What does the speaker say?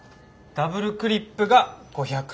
ダブルクリップが５００。